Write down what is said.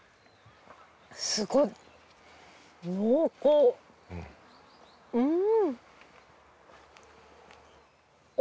すごい濃厚うん。